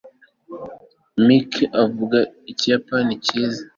mike avuga ikiyapani cyiza